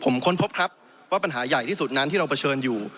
ว่าปัญหาใหญ่ที่สุดนั้นที่เราเผชิญอยู่